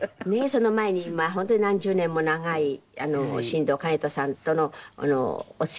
その前に本当に何十年も長い新藤兼人さんとのお付き合いがあって。